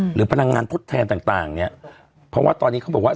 หรือพลังงานพตแทนต่างเพราะว่าตอนนี้เขาบอกว่า